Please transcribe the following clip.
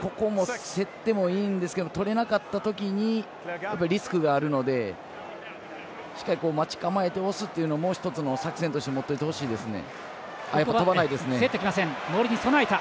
ここも競っていいんですけどとれなかったときにリスクがあるのでしっかり待ち構えて押すっていうのももう一つの作戦として持ってほしいですね。